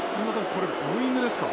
これブーイングですか？